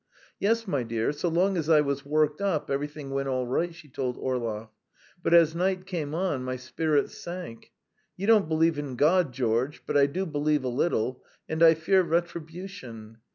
"Yes, my dear, so long as I was worked up, everything went all right," she told Orlov; "but as night came on, my spirits sank. You don't believe in God, George, but I do believe a little, and I fear retribution.